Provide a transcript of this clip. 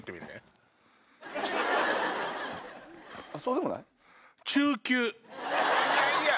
そうでもない？